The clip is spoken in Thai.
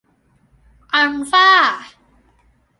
อัลฟ่า